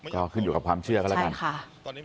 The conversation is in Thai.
ก็ขึ้นอยู่กับความเชื่อกันแล้วกัน